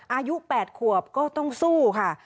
อายุ๘ขวบก็ต้องสู้ค่ะ